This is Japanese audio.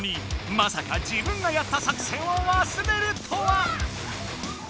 まさか自分がやった作戦をわすれるとは！